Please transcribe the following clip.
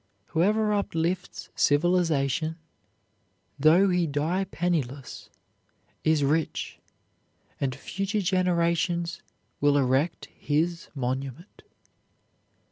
Whoever uplifts civilization, though he die penniless, is rich, and future generations will erect his monument.